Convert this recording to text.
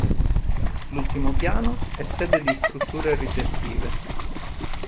L'ultimo piano è sede di strutture ricettive.